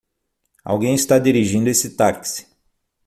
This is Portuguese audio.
Alguém está dirigindo esse táxi.